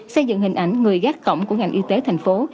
xây dựng hình ảnh người gác cổng của ngành y tế thành phố